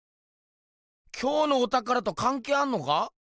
今日のおたからとかんけいあんのか？